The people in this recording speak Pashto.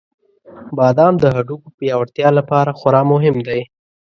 • بادام د هډوکو پیاوړتیا لپاره خورا مهم دی.